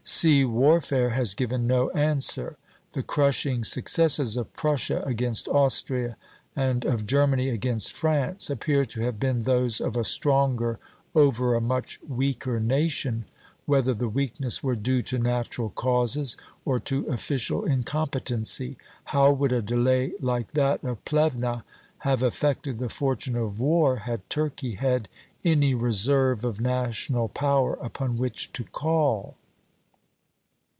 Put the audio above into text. Sea warfare has given no answer. The crushing successes of Prussia against Austria, and of Germany against France, appear to have been those of a stronger over a much weaker nation, whether the weakness were due to natural causes, or to official incompetency. How would a delay like that of Plevna have affected the fortune of war, had Turkey had any reserve of national power upon which to call?